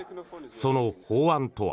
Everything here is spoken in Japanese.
その法案とは。